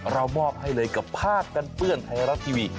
มอบให้เลยกับภาพกันเปื้อนไทยรัฐทีวี